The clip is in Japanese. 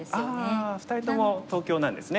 ああ２人とも東京なんですね。